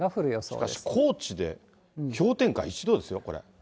しかし高知で氷点下１度ですよ、これ。